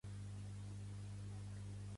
William W. Belknap, Secretari de Guerra .